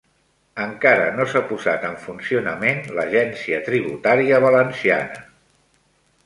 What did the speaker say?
Encara no s'ha posat en funcionament l'Agència Tributària Valenciana